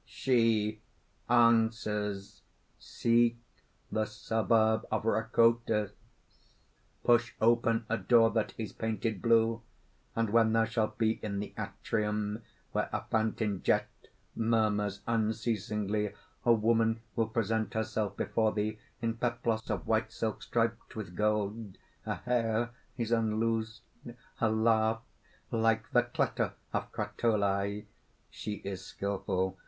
SHE (answers): "Seek the suburb of Racotis; push open a door that is painted blue; and when thou shalt be in the atrium where a fountain jet murmurs unceasingly, a woman will present herself before thee in peplos of white silk striped with gold; her hair is unloosed, her laugh like the clatter of crotali. She is skilful.